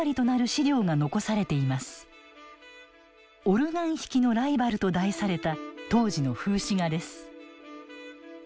「オルガン弾きのライバル」と題された当時の風刺画です。